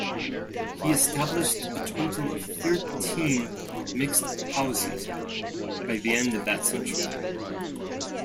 He established a total of thirteenth mixed houses by the end of that century.